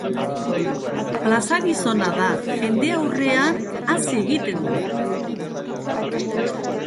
Plaza gizona da, jende aurrean hazi egiten da.